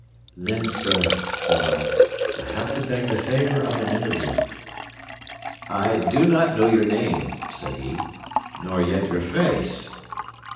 "Then, sir," said I, "I have to beg the favour of an interview." "I do not know your name," said he, "nor yet your face."